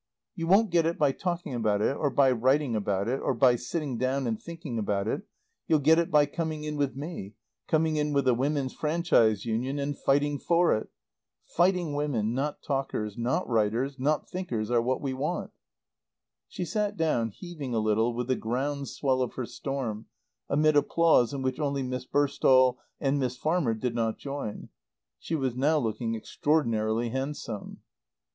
You won't get it by talking about it or by writing about it, or by sitting down and thinking about it, you'll get it by coming in with me, coming in with the Women's Franchise Union, and fighting for it. Fighting women, not talkers not writers not thinkers are what we want!" She sat down, heaving a little with the ground swell of her storm, amid applause in which only Miss Burstall and Miss Farmer did not join. She was now looking extraordinarily handsome.